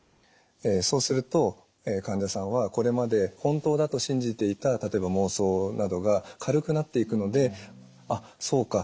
そうすると患者さんはこれまで本当だと信じていた例えば妄想などが軽くなっていくので「あっそうか。